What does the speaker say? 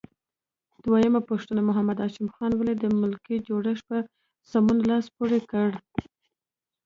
دویمه پوښتنه: محمد هاشم خان ولې د ملکي جوړښت په سمون لاس پورې کړ؟